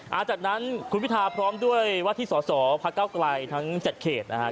หลังจากนั้นคุณพิทาพร้อมด้วยว่าที่สอสอพระเก้าไกลทั้ง๗เขตนะครับ